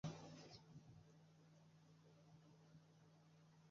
সে আমাকে পেয়েছে।